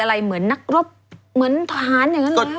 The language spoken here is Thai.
เหมือนนักรบเหมือนทหารอย่างนั้นเลย